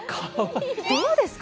どうですか？